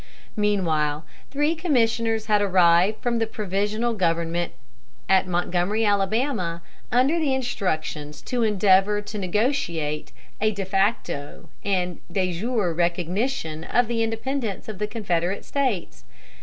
Meanwhile, three commissioners had arrived from the provisional government at Montgomery, Alabama, under instructions to endeavor to negotiate a de facto and de jure recognition of the independence of the Confederate States.